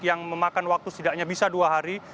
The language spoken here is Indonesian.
yang memakan waktu setidaknya bisa dua hari